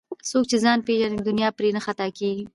څوک چې ځان پیژني دنیا پرې نه خطا کېږي